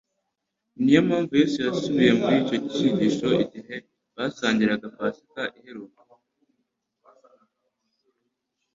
Ni yo mpamvu Yesu yasubiye muri icyo cyigisho igihe basangiraga Pasika iheruka,